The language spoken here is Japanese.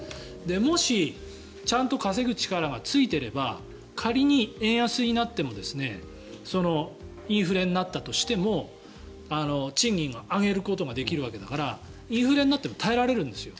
もし、ちゃんと稼ぐ力がついていれば仮に円安になってもインフレになったとしても賃金を上げることができるわけだからインフレになっても耐えられるんですよ。